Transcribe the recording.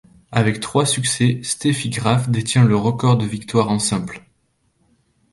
Avec trois succès, Steffi Graf détient le record de victoires en simple.